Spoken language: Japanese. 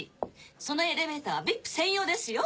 そのエレベーターはＶＩＰ専用ですよ！